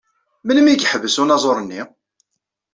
Melmi ay yeḥbes unẓar-nni?